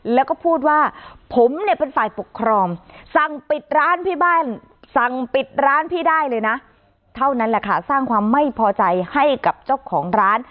แล้วก็พูดว่าผมเนี่ยเป็นฝ่ายปกครองสั่งปิดร้านพี่บ้านสั่งปิดร้านพี่ได้เลยนะเท่านั้นแหละค่ะสร้างความไม่พอใจให้กับเจ้าของร้าน